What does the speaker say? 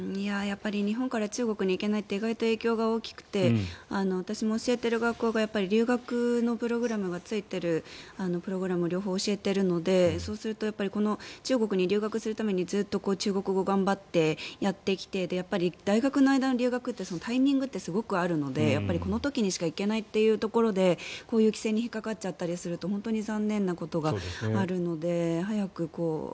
日本から中国に行けないって意外と影響が大きくて私も教えている学校が留学のプログラムがついているプログラムを両方教えているのでそうすると中国に留学するためにずっと中国語を頑張ってやってきて大学の間の留学ってタイミングってすごくあるのでこの時にしか行けないっていうところでこういう規制に引っかかっちゃったりすると本当に残念なことがあるので早く。